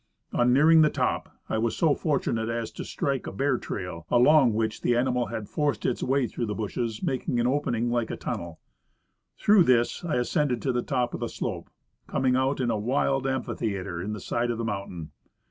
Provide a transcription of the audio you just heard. On nearing the top I was so fortunate as to strike a bear trciil, along which the animal had forced his way througli the bushes, making an opening like a tunnel. Through this I ascended to the top of the slope, coming out in a wild amphi theatre in the side of the mountain.